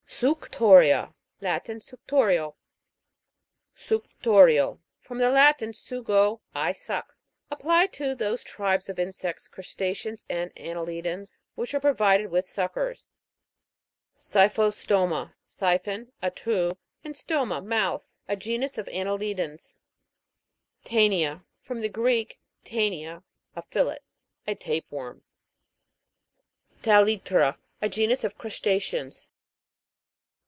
Sucyo'RiA. Latin. Suctorial. SUCTO'RIAI,. From the Latin, sugo, I suck. Applied to those tribes of insects, crustaceans and anneli dans, which are provided with suckers. SYPHO'STOMA. From the Greek, si phon, a tube, and stoma, mouth. A genus of annelidans. TJE'NIA. From the Greek, tainia, a fillet. A tape worm. TAH'TRA. A genus of crusta'ceans.